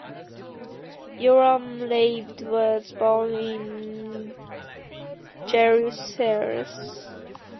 Yoram Raved was born in Jerusalem.